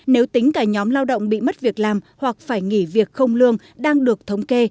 nếu tính cả nhóm lao động bị mất việc làm hoặc phải nghỉ việc không lương đang được thống kê